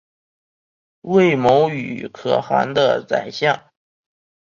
为牟羽可汗的宰相。